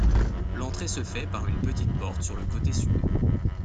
L'entrée se fait par une petite porte sur le côté Sud.